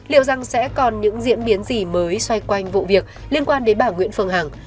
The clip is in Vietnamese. liệu rằng sẽ còn những diễn biến gì mới xoay quanh vụ việc liên quan đến bà nguyễn phương hằng